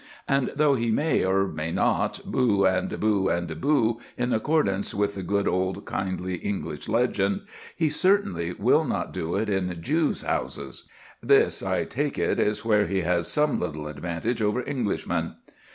And though he may or may not boo and boo and boo in accordance with the good old kindly English legend, he certainly will not do it in Jews' houses. This, I take it, is where he has some little advantage over Englishmen.